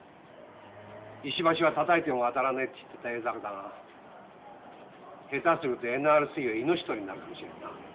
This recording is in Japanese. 「石橋はたたいても渡らねえ」って言ってた江坂だが下手するとＮＲＣは命取りになるかもしれんな。